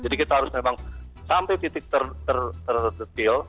jadi kita harus memang sampai titik terdetil